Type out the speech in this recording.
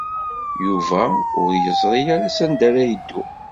Yuba ur yeẓri ara sanda ara yeddu.